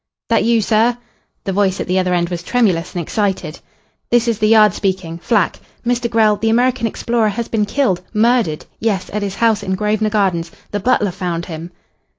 "That you, sir?"... The voice at the other end was tremulous and excited. "This is the Yard speaking Flack. Mr. Grell, the American explorer, has been killed murdered ... yes ... at his house in Grosvenor Gardens. The butler found him...."